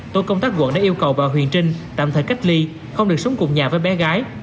tổ công tác quận đã yêu cầu bà huyền trinh tạm thời cách ly không được sống cùng nhà với bé gái